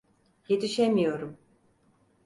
Yetişemiyorum!